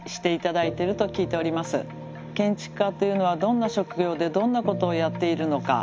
建築家というのはどんな職業でどんなことをやっているのか。